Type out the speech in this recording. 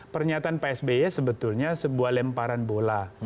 pernyataan pak sby sebetulnya sebuah lemparan bola